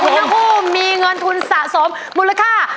ทั้งคู่มีเงินทุนสะสมมูลค่า